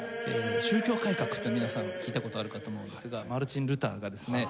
宗教改革って皆さん聞いた事あるかと思うんですがマルチン・ルターがですね